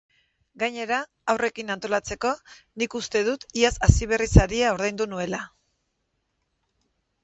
Gainera, haurrekin antolatzeko, nik uste dut iaz hasiberri-saria ordaindu nuela.